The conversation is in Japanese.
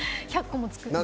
１００個も作って。